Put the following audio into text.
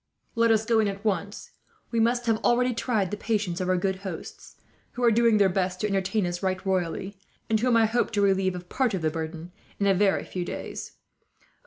Let us go in at once. We must have already tried the patience of our good hosts, who are doing their best to entertain us right royally; and whom I hope to relieve of part of the burden, in a very few days.